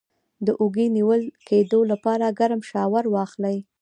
د اوږې د نیول کیدو لپاره ګرم شاور واخلئ